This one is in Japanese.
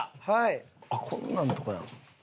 こんなんとかやん。